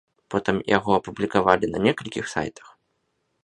Потым яго апублікавалі на некалькіх сайтах.